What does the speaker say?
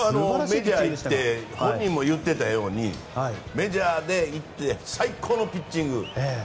メジャーに行って本人も言っていたようにメジャーに行って最高のピッチング。